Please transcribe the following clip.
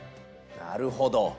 なるほど。